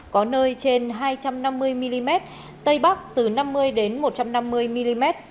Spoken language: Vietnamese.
có nơi trên hai trăm năm mươi mm tây bắc từ năm mươi đến một trăm năm mươi mm